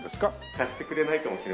貸してくれない。